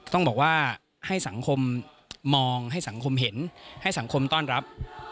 ต้องบอกว่าให้สังคมมองให้สังคมเห็นให้สังคมต้อนรับ